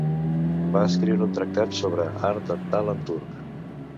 Va escriure un tractat sobre art dental en turc.